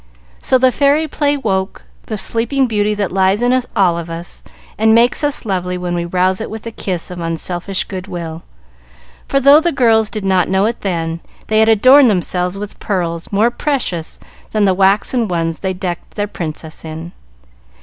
So the fairy play woke the sleeping beauty that lies in all of us, and makes us lovely when we rouse it with a kiss of unselfish good will, for, though the girls did not know it then, they had adorned themselves with pearls more precious than the waxen ones they decked their Princess in.